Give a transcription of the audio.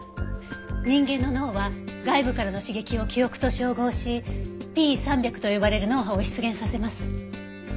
人間の脳は外部からの刺激を記憶と照合しＰ３００と呼ばれる脳波を出現させます。